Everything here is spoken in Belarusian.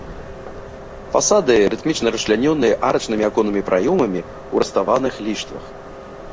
Фасады рытмічна расчлянёны арачнымі аконнымі праёмамі ў руставаных ліштвах.